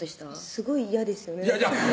すごい嫌ですよね